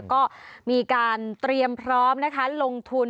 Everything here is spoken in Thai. ก็มีการเตรียมพร้อมนะคะลงทุน